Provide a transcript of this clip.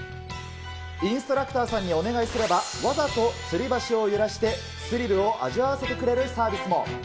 インストラクターさんにお願いすれば、わざとつり橋を揺らして、スリルを味わわせてくれるサービスも。